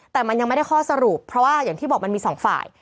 แต่มันยังไม่ได้ข้อสรุปเพราะว่าอย่างที่บอกมันมีสองฝ่าย